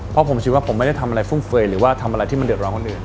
เพราะผมคิดว่าผมไม่ได้ทำอะไรฟุ่มเฟยหรือว่าทำอะไรที่มันเดือดร้อนคนอื่น